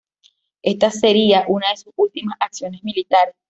Esta sería una de sus últimas acciones militares.